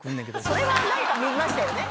それは何か見ましたよね。